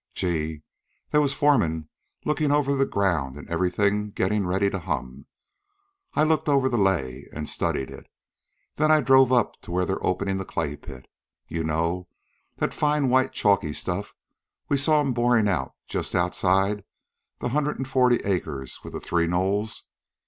Gee! They was foremen lookin' over the ground an' everything gettin' ready to hum. I looked over the lay an' studied it. Then I drove up to where they're openin' the clay pit you know, that fine, white chalky stuff we saw 'em borin' out just outside the hundred an' forty acres with the three knolls.